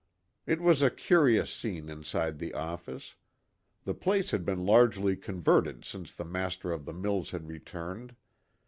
It was a curious scene inside the office. The place had been largely converted since the master of the mills had returned.